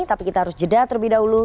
tapi kita harus jeda terlebih dahulu